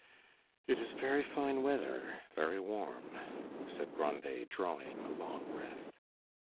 "It is very fine weather, very warm," said Grandet, drawing a long breath.